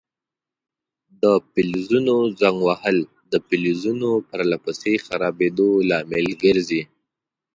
د فلزونو زنګ وهل د فلزونو پر له پسې خرابیدو لامل ګرځي.